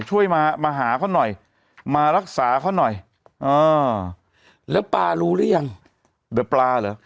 ช่วยมามาหาเขาหน่อยมารักษาเขาหน่อยอ่าแล้วปลารู้หรือยังเดี๋ยวปลาเหรอ